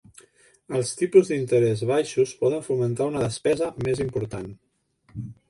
Els tipus d'interès baixos poden fomentar una despesa més important.